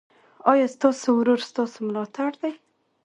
ایا ستاسو ورور ستاسو ملاتړ دی؟